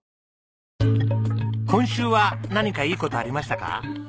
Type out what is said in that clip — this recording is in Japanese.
今週は何かいい事ありましたか？